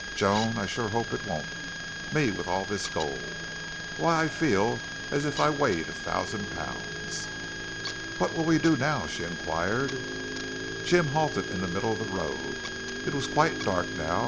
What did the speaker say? Joan, I sure hope it won't. Me with all this gold. Why, I feel as if I weighed a thousand pounds." "What'll we do now?" she inquired. Jim halted in the middle of the road. It was quite dark now.